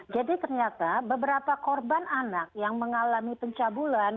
jadi ternyata beberapa korban anak yang mengalami pencabulan